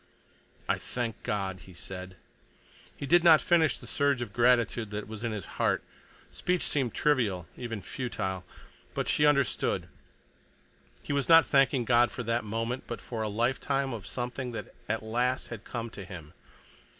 "I thank God!" he said. He did not finish the surge of gratitude that was in his heart. Speech seemed trivial, even futile. But she understood. He was not thanking God for that moment, but for a lifetime of something that at last had come to him.